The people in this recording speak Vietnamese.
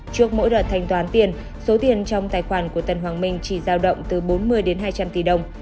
trước mỗi đợt thanh toán tiền số tiền trong tài khoản của tân hoàng minh chỉ giao động từ bốn mươi đến hai trăm linh tỷ đồng